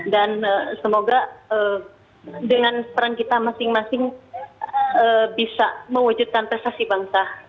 dan semoga dengan peran kita masing masing bisa mewujudkan prestasi bangsa